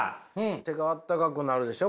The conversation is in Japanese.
手があったかくなるでしょ